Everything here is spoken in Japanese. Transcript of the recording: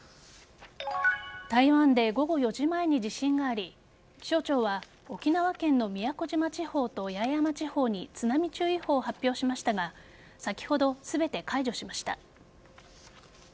台湾で午後４時前に地震があり気象庁は沖縄県の宮古島地方と八重山地方に津波注意報を発表しましたが先ほど、全て解除しました。